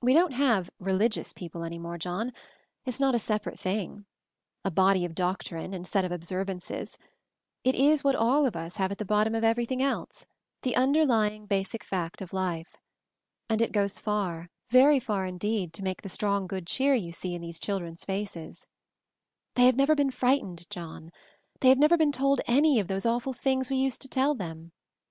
We don't have 'religious' people any more, John. It's not a separate thing; a 'body of doctrine' and set of observances— it is what all of us have at the bottom of everything else, the underlying basic fact of life. And it goes far, very far indeed, to make the strong good cheer you see in these children's faces. "They have never been frightened, John. They have never been told any of those aw ful things we used to tell them.